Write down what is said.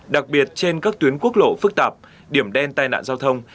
đặc biệt trên các tuyến quốc lộ phức tạp điểm đen tai nạn giao thông